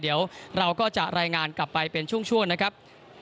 เดี๋ยวเราก็จะรายงานกลับไปเป็นช่วงนะครับ